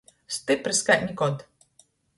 Styprs kai nikod.